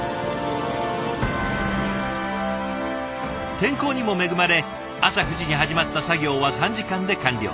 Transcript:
天候にも恵まれ朝９時に始まった作業は３時間で完了。